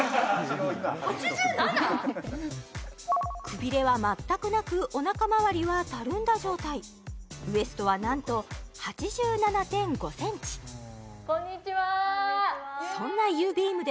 くびれは全くなくおなかまわりはたるんだ状態ウエストはなんと８７．５センチこんにちはそんなゆーびーむ☆